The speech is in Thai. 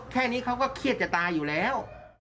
แค่นี้เขาก็เครียดจะตายอยู่แล้ว